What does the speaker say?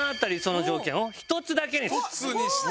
１つにした！